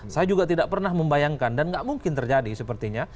saya juga tidak pernah membayangkan dan nggak mungkin terjadi sepertinya